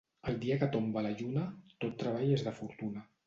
El dia que tomba la lluna tot treball és de fortuna.